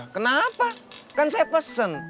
kenapa kan saya pesen